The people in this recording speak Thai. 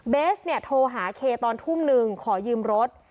เบสโทรหาเคตอนทุ่มหนึ่งขอยืมรถ